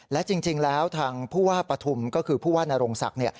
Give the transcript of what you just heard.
และจริงแล้วทางผู้ว่าปฐุมก็คือผู้ว่านโรงศักดิ์